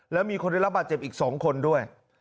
แล้วมีคนได้รับบาดเจ็บอีก๒คนด้วย